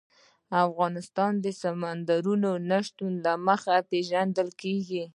افغانستان د سمندر نه شتون له مخې پېژندل کېږي.